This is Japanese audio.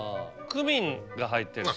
クミンが入ってます。